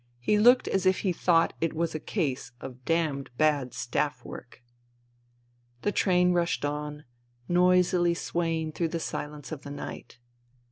— he looked as if he thought it was a case of damned bad staff work. The train rushed on, noisily swaying through the silence of the night.